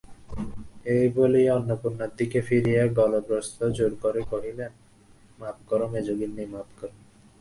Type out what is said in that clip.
এই বলিয়া অন্নপূর্ণার দিকে ফিরিয়া গলবস্ত্র-জোড়করে কহিলেন, মাপ করো মেজোগিন্নি, মাপ করো।